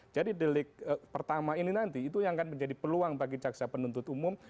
jadi delik pertama ini nanti itu yang akan menjadi peluang bagi caksa penuntut umum